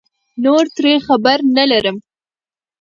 نور ترې خبر نه لرم